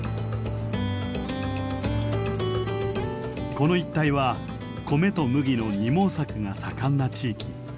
この一帯は米と麦の二毛作が盛んな地域。